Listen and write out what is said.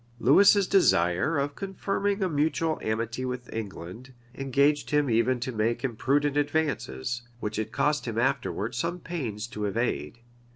[*] Lewis's desire of confirming a mutual amity with England, engaged him even to make imprudent advances, which it cost him afterwards some pains to evade.